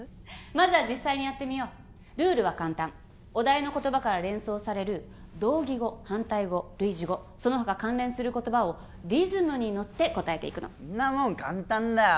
まずは実際にやってみようルールは簡単お題の言葉から連想される同義語反対語類似語その他関連する言葉をリズムに乗って答えていくのんなもん簡単だよ